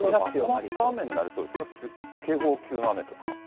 まとまった雨になりそうですか、警報級の雨とか？